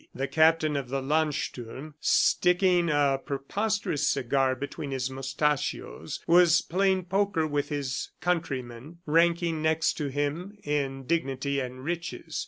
The Captain of the Landsturm, sticking a preposterous cigar between his moustachios, was playing poker with his countrymen ranking next to him in dignity and riches.